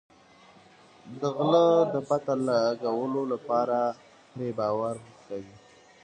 د غله د پته لګولو لپاره پرې باور کوي.